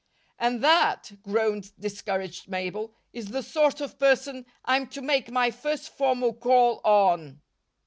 "And that," groaned discouraged Mabel, "is the sort of person I'm to make my first formal call on."